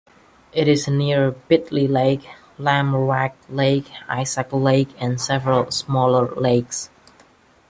It is near Bitely Lake, Lamoreaux Lake, Isaac Lake and several smaller lakes.